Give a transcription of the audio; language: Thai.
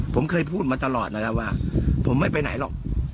ผมเคยพูดมาตลอดนะครับว่าผมไม่ไปไหนหรอก